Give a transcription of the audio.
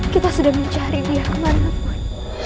kita sudah mencari dia kemana pun